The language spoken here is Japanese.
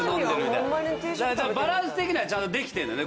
だからバランス的にはちゃんとできてるんだね